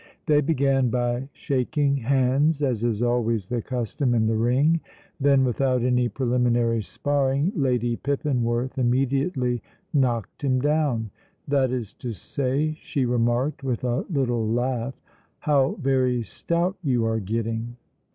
They began by shaking hands, as is always the custom in the ring. Then, without any preliminary sparring, Lady Pippinworth immediately knocked him down; that is to say, she remarked, with a little laugh: "How very stout you are getting!"